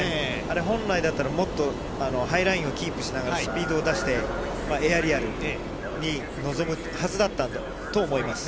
本来だったらもっとハイラインをキープしながらスピードを出して、エアリアルに臨むはずだったんだろうと思います。